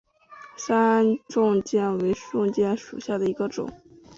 山棕榈为棕榈科棕榈属下的一个种。